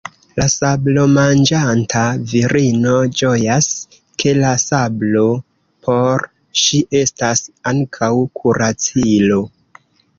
La sablomanĝanta virino ĝojas, ke la sablo por ŝi estas ankaŭ kuracilo.